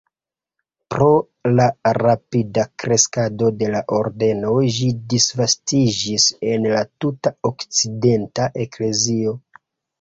Pro la rapida kreskado de la ordeno ĝi disvastiĝis en la tuta okcidenta eklezio.